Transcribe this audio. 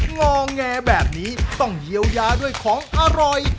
งอแงแบบนี้ต้องเยียวยาด้วยของอร่อย